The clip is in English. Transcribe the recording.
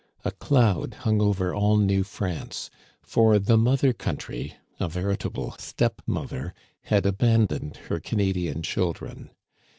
A cloud hung over all New France, for the mother country, a veritable step mother, had abandoned her Canadian children.